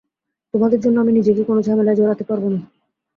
তোমাদের জন্য আমি নিজেকে কোন ঝামেলায় জড়াতে পারবো না।